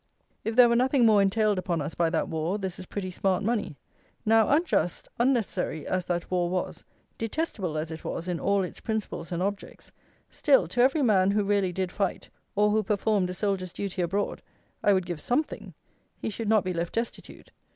If there were nothing more entailed upon us by that war, this is pretty smart money. Now unjust, unnecessary as that war was, detestable as it was in all its principles and objects, still, to every man, who really did fight, or who performed a soldier's duty abroad, I would give something: he should not be left destitute.